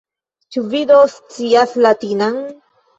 Ĉu vi do scias latinan?